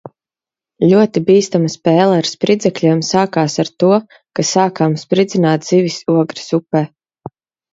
Ļoti bīstama spēle ar spridzekļiem sākās ar to, ka sākām spridzināt zivis Ogres upē.